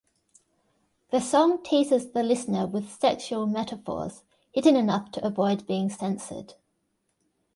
The song teases the listener with sexual metaphors, hidden enough to avoid being censored.